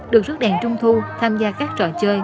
được rước đèn trung thu tham gia các trò chơi